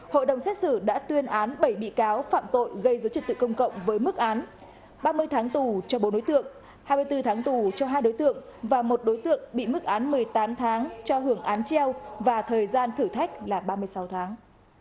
hội đồng xét xử đã tuyên án bảy bị cáo phạm tội gây dối trật tự công cộng với mức án ba mươi tháng tù cho bốn đối tượng hai mươi bốn tháng tù cho hai đối tượng và một đối tượng bị mức án một mươi tám tháng cho hưởng án treo và thời gian thử thách là ba mươi sáu tháng